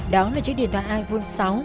đó là chiếc điện thoại iphone sáu